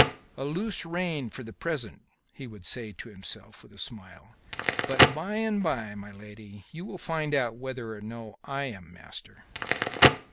"A loose rein for the present," he would say to himself, with a smile; "but by and by, my lady, you will find whether or no I am master!"